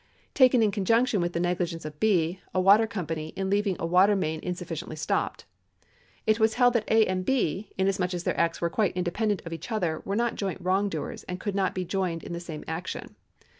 taken in conjunction with the negligence of B., a water company, in leaving a water main insulhcicntly stopped. It was held that A. and B., inasnuich as their acts were quite independent of each other, were not joint wrongdoers, and could not be joined in the same action.